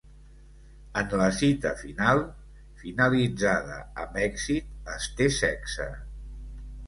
En la cita final finalitzada amb èxit es té sexe.